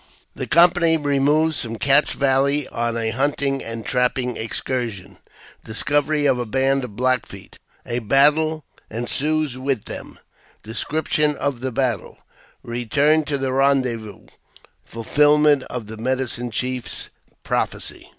The Company removes from Cache Valley on a Hunting and Trapping Excursion— Discovery of a band of Black Feet — A Battle ensues with them — Description of the Battle — Return to the Rendezvous — Fulfilment of the Medicine Chief's prophecy.